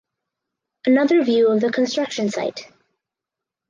Another view of the construction site.